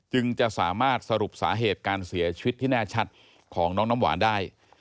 จึงจะสามารถสรุปสาเหตุการเสียชีวิตที่แน่ชัดของน้องน้ำหวานได้